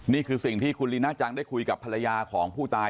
นี่คือสิ่งที่คุณลีน่าจังได้คุยกับภรรยาของผู้ตาย